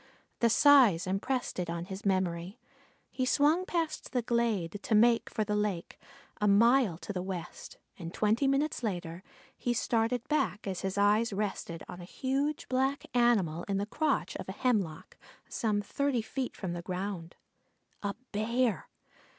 The size impressed it on his memory. He swung past the glade to make for the lake, a mile to the west, and twenty minutes later he started back as his eye rested on a huge black animal in the crotch of a hemlock, some thirty feet from the ground. A Bear!